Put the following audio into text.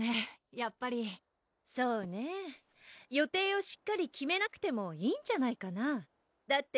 やっぱりそうねぇ予定をしっかり決めなくてもいいんじゃないかなぁだって